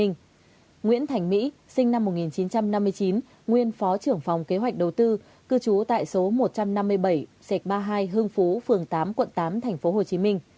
nguyễn thành mỹ sinh năm một nghìn chín trăm năm mươi chín nguyên phó trưởng phòng kế hoạch đầu tư cư trú tại số một trăm năm mươi bảy xệt ba mươi hai hưng phú phường tám quận tám tp hcm